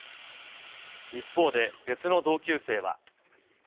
一方で、別の同級生は。